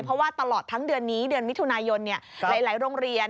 เพราะว่าตลอดทั้งเดือนนี้เดือนมิถุนายนหลายโรงเรียน